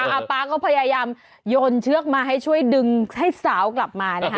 ป๊าก็พยายามโยนเชือกมาให้ช่วยดึงให้สาวกลับมานะคะ